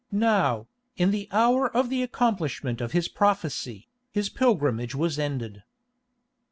Now, in the hour of the accomplishment of his prophecy, his pilgrimage was ended.